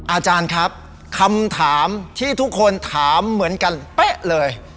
อาจารย์ครับคำถามที่ทุกคนถามเหมือนกันเป๊ะเลย